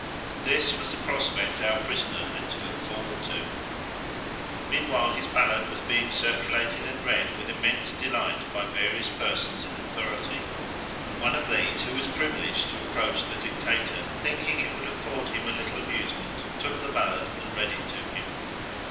This was the prospect our prisoner had to look forward to. Meanwhile his ballad was being circulated and read with immense delight by various persons in authority, and one of these who was privileged to approach the Dictator, thinking it would afford him a little amusement, took the ballad and read it to him.